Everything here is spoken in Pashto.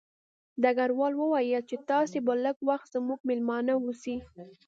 ډګروال وویل چې تاسې به لږ وخت زموږ مېلمانه اوسئ